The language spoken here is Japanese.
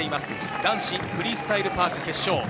男子フリースタイル・パーク決勝。